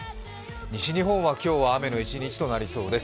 西日本は今日は雨の一日となりそうです。